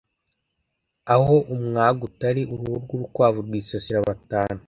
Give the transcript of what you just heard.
Aho umwaga utari uruhu rw’urukwavu rwisasira batanu.